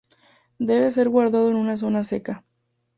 Debe ser guardado en una zona seca.